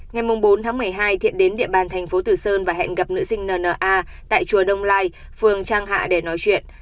ngày bốn một mươi hai thiện đến địa bàn tp tử sơn và hẹn gặp nữ sinh n n a tại chùa đông lai phường trang hạ để nói chuyện